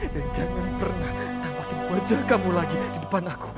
dan jangan pernah terbakit wajah kamu lagi di depan aku